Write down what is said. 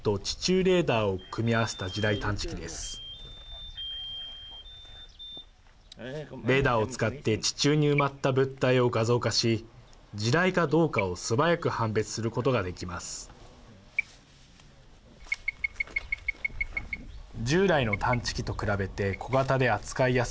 レーダーを使って地中に埋まった物体を画像化し地雷かどうかを素早く判別することができます。